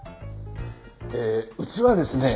えーうちはですね